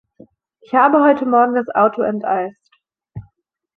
Ich habe heute Morgen das Auto enteist.